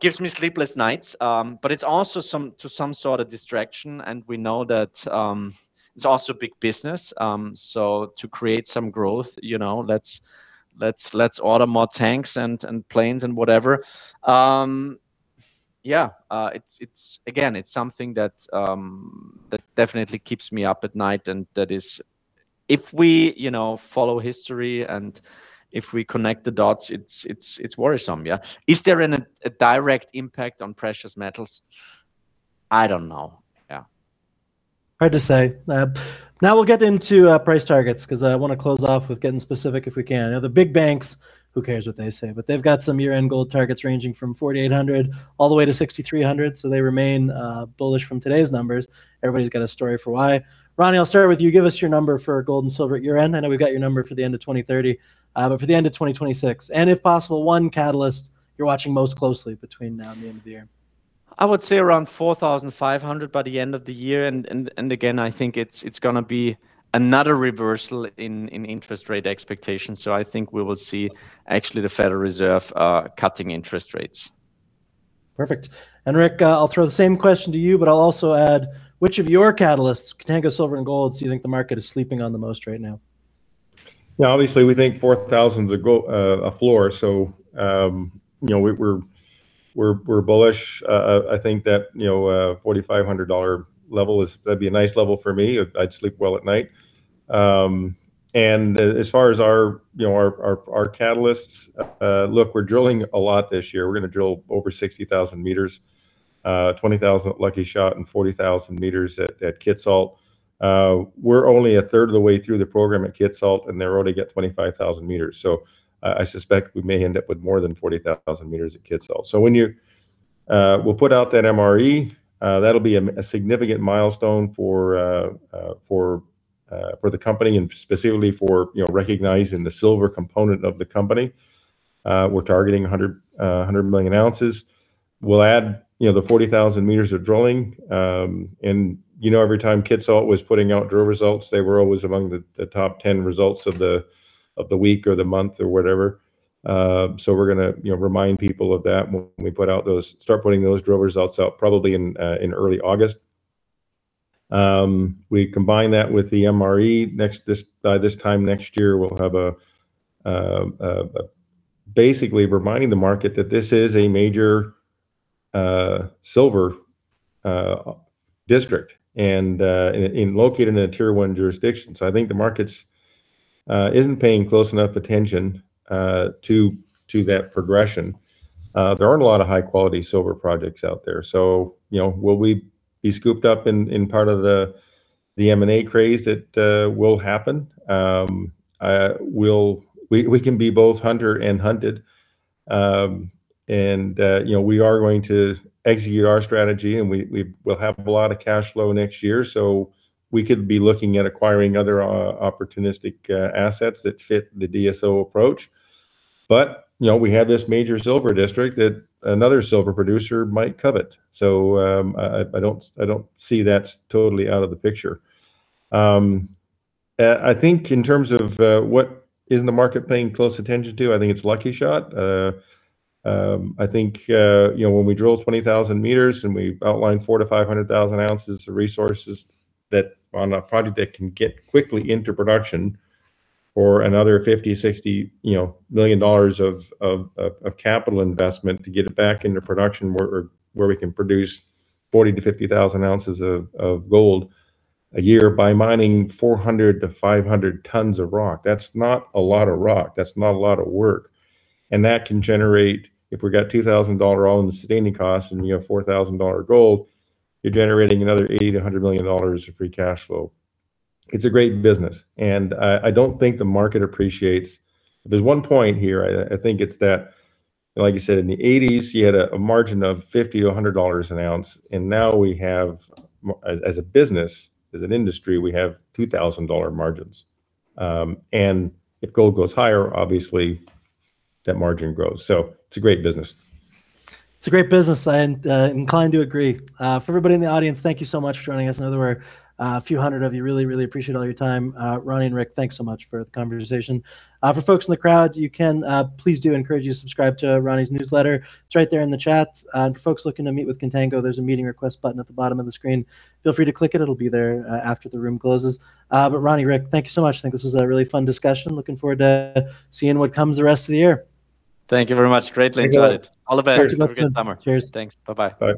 gives me sleepless nights. It's also some sort of distraction. We know that it's also big business. To create some growth, let's order more tanks and planes and whatever. Yeah. Again, it's something that definitely keeps me up at night, and that is if we follow history. If we connect the dots, it's worrisome. Yeah. Is there a direct impact on precious metals? I don't know. Yeah. Hard to say. We'll get into price targets because I want to close off with getting specific if we can. The big banks, who cares what they say, they've got some year-end gold targets ranging from $4,800 all the way to $6,300. They remain bullish from today's numbers. Everybody's got a story for why. Ronnie, I'll start with you. Give us your number for gold and silver at year-end. I know we've got your number for the end of 2030. For the end of 2026, if possible, one catalyst you're watching most closely between now and the end of the year. I would say around $4,500 by the end of the year, and again, I think it's going to be another reversal in interest rate expectations, so I think we will see actually the Federal Reserve cutting interest rates. Perfect. Rick, I'll throw the same question to you, but I'll also add, which of your catalysts Contango Silver & Gold do you think the market is sleeping on the most right now? Obviously, we think $4,000's a floor. We're bullish. I think that a $4,500 level, that'd be a nice level for me. I'd sleep well at night. As far as our catalysts, look, we're drilling a lot this year. We're going to drill over 60,000 m, 20,000 m at Lucky Shot and 40,000 m at Kitsault. We're only a third of the way through the program at Kitsault, and they're already at 25,000 m. I suspect we may end up with more than 40,000 m at Kitsault. We'll put out that MRE. That'll be a significant milestone for the company and specifically for recognizing the silver component of the company. We're targeting 100 million ounces. We'll add the 40,000 m of drilling, every time Kitsault was putting out drill results, they were always among the top 10 results of the week or the month or whatever. We're going to remind people of that when we start putting those drill results out, probably in early August. We combine that with the MRE. By this time next year, we'll have basically reminding the market that this is a major silver district, and located in a Tier 1 jurisdiction. I think the market isn't paying close enough attention to that progression. There aren't a lot of high-quality silver projects out there, will we be scooped up in part of the M&A craze that will happen? We can be both hunter and hunted. We are going to execute our strategy, we'll have a lot of cash flow next year, we could be looking at acquiring other opportunistic assets that fit the DSO approach. We have this major silver district that another silver producer might covet. I don't see that's totally out of the picture. I think in terms of what isn't the market paying close attention to, it's Lucky Shot. When we drill 20,000 m and we outline 400,000 oz-500,000 oz of resources on a project that can get quickly into production for another $50 million-$60 million of capital investment to get it back into production where we can produce 40,000 oz-50,000 ounces of gold a year by mining 400-500 tons of rock. That's not a lot of rock. That's not a lot of work. That can generate, if we got $2,000 all-in sustaining costs and you have $4,000 gold, you're generating another $80 million-$100 million of free cash flow. It's a great business, I don't think the market appreciates. There's one point here, it's that, like you said, in the 1980s, you had a margin of $50-$100 an ounce, now we have, as a business, as an industry, we have $2,000 margins. If gold goes higher, obviously that margin grows. It's a great business. It's a great business. I am inclined to agree. For everybody in the audience, thank you so much for joining us. In other words, a few hundred of you, really appreciate all your time. Ronnie and Rick, thanks so much for the conversation. For folks in the crowd, please do encourage you to subscribe to Ronnie's newsletter. It's right there in the chat. For folks looking to meet with Contango, there's a meeting request button at the bottom of the screen. Feel free to click it. It'll be there after the room closes. Ronnie, Rick, thank you so much. I think this was a really fun discussion. Looking forward to seeing what comes the rest of the year. Thank you very much. Greatly enjoyed. Thanks, guys. All the best. Cheers. Have a good summer. Cheers. Thanks. Bye-bye.